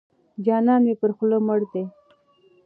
جانان مې پر خوله مړ دی.